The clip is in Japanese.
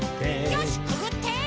よしくぐって！